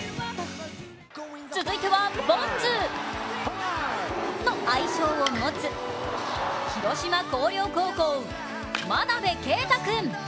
続いては、ボンズの愛称を持つ、広島広陵高校、真鍋慧君。